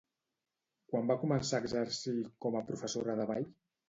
Quan va començar a exercir com a professora de ball?